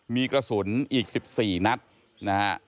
มีกระสุนอีก๑๔นัดนะฮะ